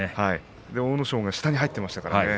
阿武咲が下に入っていましたからね。